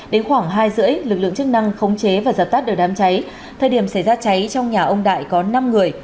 đến khoảng hai giờ sáng lực lượng chức năng khống chế và giật tắt đều đám cháy thời điểm xảy ra cháy trong nhà ông đại có năm người